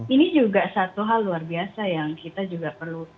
ini juga satu hal luar biasa yang kita juga perlu berikan hal positif